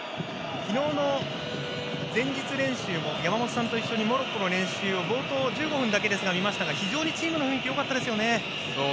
昨日の前日練習も山本さんと一緒にモロッコの練習を冒頭１５分だけ見ましたが非常にチームの雰囲気よかったですよね。